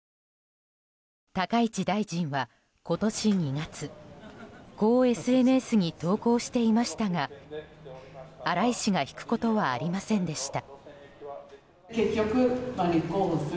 高市大臣は今年２月こうＳＮＳに投稿していましたが荒井氏が引くことはありませんでした。